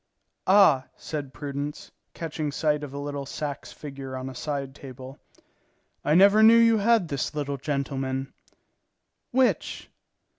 "Ah," said Prudence, catching sight of a little Saxe figure on a side table, "I never knew you had this little gentleman." "Which?"